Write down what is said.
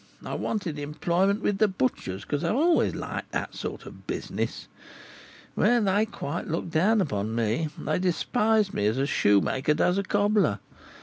I wanted employment with the butchers, for I have always liked that sort of business. Well, they quite looked down upon me; they despised me as a shoemaker does a cobbler.